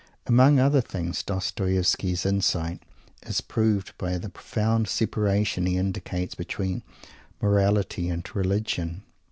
Among other things, Dostoievsky's insight is proved by the profound separation he indicates between "morality" and "religion."